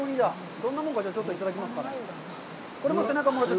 どんなもんか、ちょっといただきましょう。